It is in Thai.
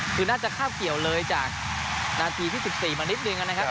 คือน่าจะคาดเกี่ยวเลยจากนาทีที่สิบสี่มานิดหนึ่งอ่ะนะครับ